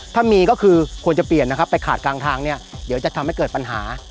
ถ้ามีก็คือควรจะเปลี่ยนนะครับไปขาดกลางทางเนี่ยเดี๋ยวจะทำให้เกิดปัญหา